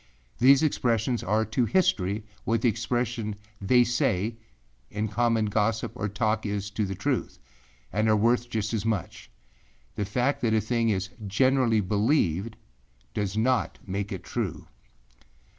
These expressions are to history what the expression âthey sayâ in common gossip or talk is to the truth, and are worth just as much. The fact that a thing is generally believed does not make it true.